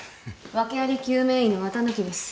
訳あり救命医の綿貫です。